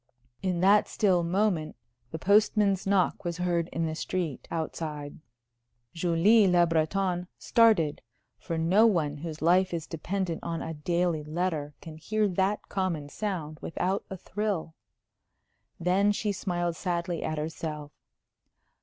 In that still moment the postman's knock was heard in the street outside. Julie Le Breton started, for no one whose life is dependent on a daily letter can hear that common sound without a thrill. Then she smiled sadly at herself.